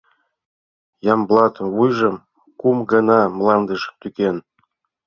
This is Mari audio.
Ямблат вуйжым кум гана мландыш тӱкен.